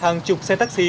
hàng chục xe taxi xe chạy